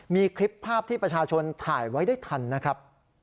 มีคลิปภาพที่ประชาชนถ่ายไว้ได้ทันนะครับ